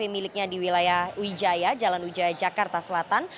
miliknya di wilayah wijaya jalan wijaya jakarta selatan